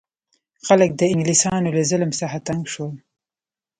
خلک د انګلیسانو له ظلم څخه تنګ شول.